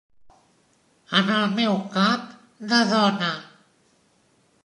En el meu cap de dona.